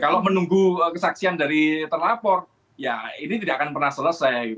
kalau menunggu kesaksian dari terlapor ya ini tidak akan pernah selesai